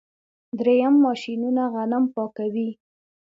دریم ماشینونه غنم پاکوي.